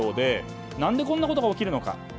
何で、こんなことが起きるのか。